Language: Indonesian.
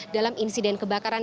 dalam insiden kebakaran